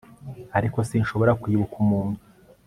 Ariko sinshobora kwibuka umuntu